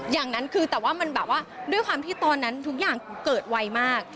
อย่างนั้นคือแต่ว่ามันแบบว่าด้วยความที่ตอนนั้นทุกอย่างเกิดไวมาก